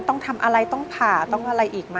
ต้องทำอะไรต้องผ่าต้องอะไรอีกไหม